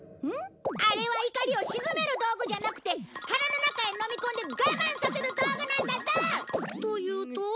あれは怒りを静める道具じゃなくて腹の中へのみ込んで我慢させる道具なんだぞ！というと？